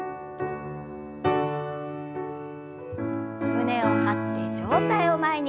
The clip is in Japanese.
胸を張って上体を前に。